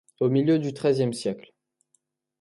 au milieu du treizième siècle.